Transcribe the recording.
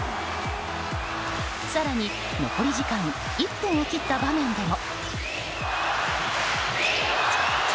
更に残り時間１分を切った場面でも。